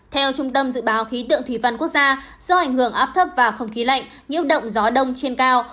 theo trung tâm dự báo khí tượng thủy văn quốc gia do ảnh hưởng áp thấp và không khí lạnh nhiễu động gió đông trên cao